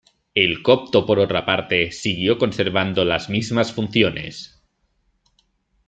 El copto por otra parte siguió conservando las mismas funciones.